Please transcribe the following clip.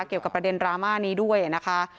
เกี่ยวกับประเด็นดราม่านี้ด้วยนะคะ